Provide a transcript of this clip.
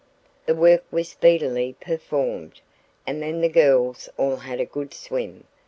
The work was speedily performed and then the girls all had a good swim.